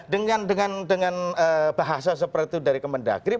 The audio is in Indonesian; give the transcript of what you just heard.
dengan bahasa seperti itu dari kemendagri